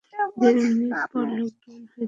দেড় মিনিট পর লকডাউন হয়ে যাবে।